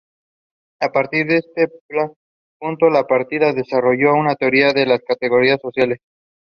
Elytra bright yellow with black markings.